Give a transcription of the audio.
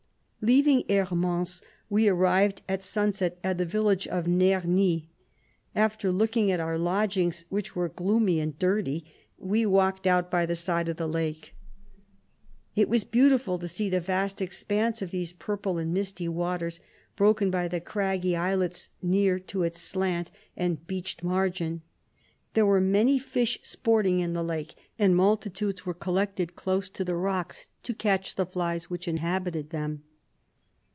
Leaving Hermance, we arrived at sunset at the village of Nerni. After looking at our lodgings, which were gloomy and dirty, we walked out by the side of the lake. It was beautiful no to see the vast expanse of these purple and misty waters broken by the craggy islets near to its slant and u beached margin." There were many fish sport ing in the lake, and multitudes were collected close to the rocks to catch the flies which inhabited them.